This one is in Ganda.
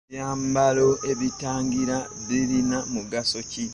Ebyambalo ebitangira birina mugaso ki?